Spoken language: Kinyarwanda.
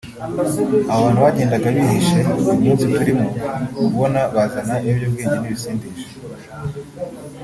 abo bantu bagenda bihishe uyu munsi turimo kubona bazana ibiyobyabwenge n’ibisindisha